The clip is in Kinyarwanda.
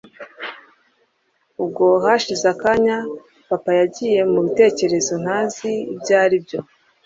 ubwo hashize akanya papa yagiye mubitekerezo ntazi ibyaribyo